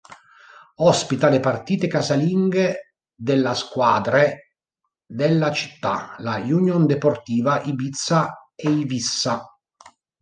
Ospita le partite casalinghe della squadre della città, la Unión Deportiva Ibiza-Eivissa.